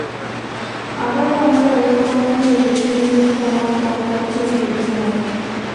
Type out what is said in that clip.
আবারও আমাদের ঐক্যবদ্ধ হয়ে দেশের বিরুদ্ধে চলমান চক্রান্ত রুখে দিতে হবে।